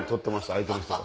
相手の人が。